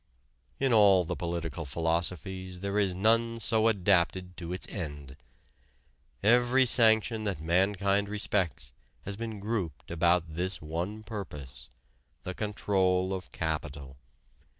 In all the political philosophies there is none so adapted to its end. Every sanction that mankind respects has been grouped about this one purpose the control of capital.